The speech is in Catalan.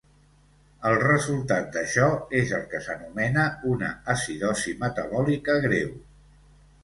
El resultat d'això és el que s'anomena una acidosi metabòlica greu.